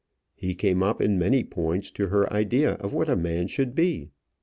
He came up in many points to her idea of what a man should be.